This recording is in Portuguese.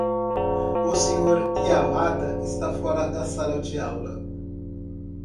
O Sr. Yamada está fora da sala de aula.